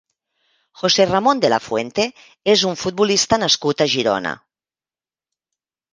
José Ramón de la Fuente és un futbolista nascut a Girona.